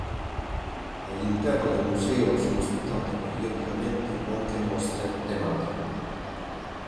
All'interno del museo sono ospitate periodicamente anche mostre tematiche.